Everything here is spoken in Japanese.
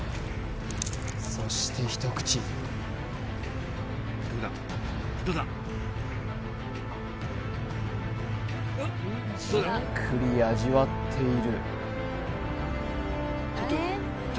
そして一口じっくり味わっている